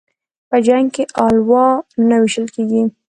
په جنگ کې الوا نه ويشل کېږي.